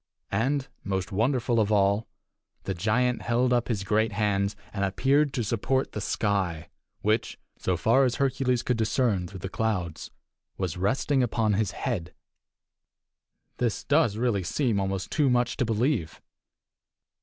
And, most wonderful of all, the giant held up his great hands and appeared to support the sky, which, so far as Hercules could discern through the clouds, was resting upon his head! This does really seem almost too much to believe.